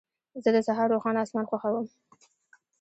زه د سهار روښانه اسمان خوښوم.